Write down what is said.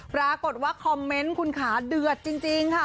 ปรากฏว่าคอมเมนต์คุณขาเดือดจริงค่ะ